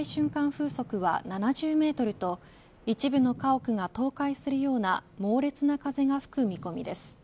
風速は７０メートルと一部の家屋が倒壊するような猛烈な風が吹く見込みです。